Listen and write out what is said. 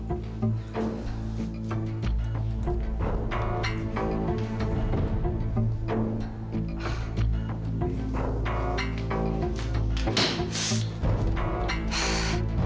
aku mau pergi ke rumah sekarang ayo